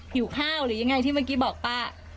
หิวข้าวหรือยังไงที่เมื่อกี้บอกป้า